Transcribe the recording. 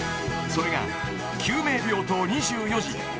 ［それが『救命病棟２４時』］